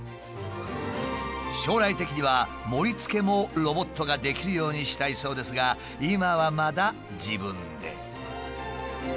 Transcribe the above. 将来的には盛りつけもロボットができるようにしたいそうですが今はまだ自分で。